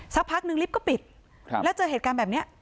สักพักนึงลิฟต์ก็ปิดแล้วเจอเหตุการณ์แบบนี้